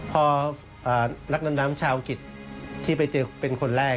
พอนักดำน้ำชาวอังกฤษที่ไปเจอเป็นคนแรก